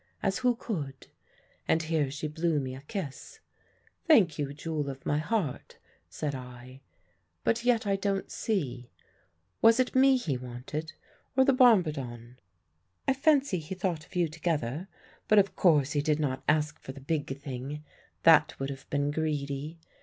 As who could?' And here she blew me a kiss. "'Thank you, jewel of my heart,' said I; 'but yet I don't see. Was it me he wanted, or the bombardon?' "'I fancy he thought of you together; but of course he did not ask for the big thing that would have been greedy.